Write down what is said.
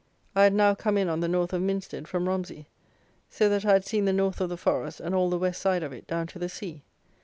I had now come in on the north of Minstead from Romsey, so that I had seen the north of the Forest and all the west side of it, down to the sea.